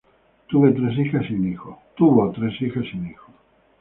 Tuvo tres hijas y un hijo.